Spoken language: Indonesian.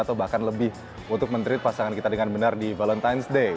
atau bahkan lebih untuk menerit pasangan kita dengan benar di valentine's day